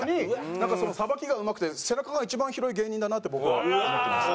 そのさばきがうまくて背中が一番広い芸人だなって僕は思ってます。